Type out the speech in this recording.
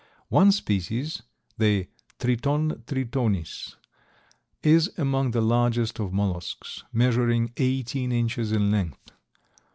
One species, the Triton tritonis, is among the largest of mollusks, measuring eighteen inches in length.